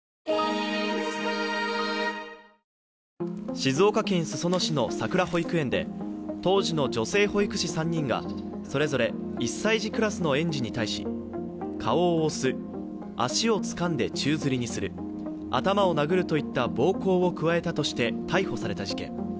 静岡県裾野市のさくら保育園で当時の女性保育士３人がそれぞれ１歳児クラスの園児に対し顔を押す、足をつかんで宙づりにする、頭を殴るといった暴行を加えたとして逮捕された事件。